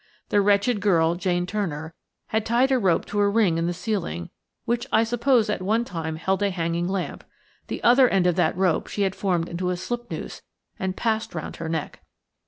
The wretched girl, Jane Turner, had tied a rope to a ring in the ceiling, which I suppose at one time held a hanging lamp; the other end of that rope she had formed into a slip noose, and passed round her neck.